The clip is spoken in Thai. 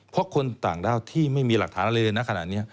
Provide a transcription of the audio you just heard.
เพราะคนต่างด้าวที่ไม่มีหลักฐานอะไรเลยนะขนาดนี้